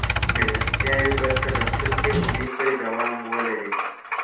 مېلمستیاوې به تر راتلونکې اونۍ پورې دوام ولري.